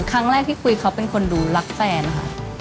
ครั้งแรกที่คุยเขาเป็นคนดูรักแฟนค่ะ